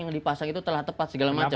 yang dipasang itu telah tepat segala macam